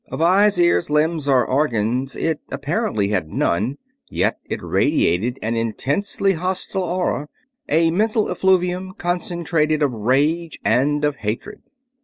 Of eyes, ears, limbs, or organs it apparently had none, yet it radiated an intensely hostile aura; a mental effluvium concentrated of rage and of hatred.